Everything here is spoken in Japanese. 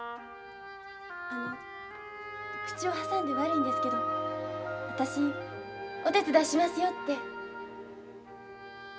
あの口を挟んで悪いんですけど私お手伝いしますよって。